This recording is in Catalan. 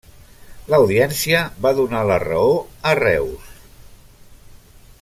L'Audiència va donar la raó a Reus.